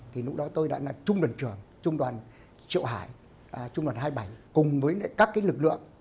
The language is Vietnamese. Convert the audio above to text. thì lúc đó tôi đã là trung đoàn trưởng trung đoàn triệu hải trung đoàn hai mươi bảy cùng với các lực lượng